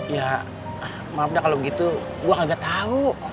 ya maaf dah kalau begitu gua gak tau